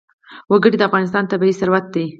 وګړي د افغانستان طبعي ثروت دی.